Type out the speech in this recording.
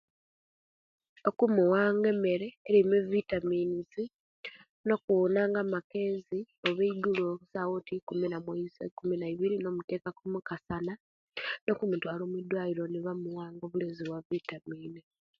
Okumuwanga emere elimu evitaminis no kuwunanga okunkyo oba eigulo essawa oti ikumi namoiza ikumi naibiri nomutekaku omukasana oba okumutwala omwidwaliro nabamuwanga obulezi wa vitamini